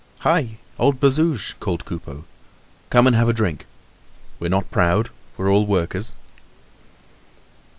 "Hi! Old Bazouge!" called Coupeau, "come and have a drink. We're not proud; we're all workers."